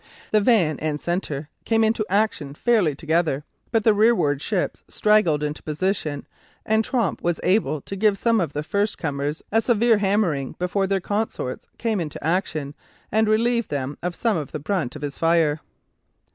The van and centre came into action fairly together, but the rearward ships straggled into position, and Tromp was able to give some of the first comers a severe hammering before their consorts came into action and relieved them of some of the brunt of his fire.